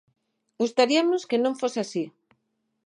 Gustaríanos que non fose así.